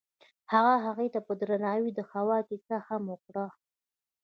هغه هغې ته په درناوي د هوا کیسه هم وکړه.